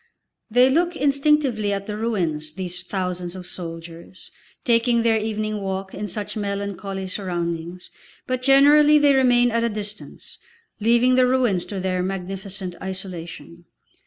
They look instinctively at the ruins, these thousands of soldiers, taking their evening walk in such melancholy surroundings, but generally they remain at a distance, leaving the ruins to their magnificent isolation.